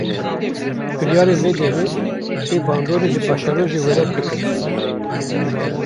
Biryarên vê demê, wê bandorê li paşeroja welêt bikin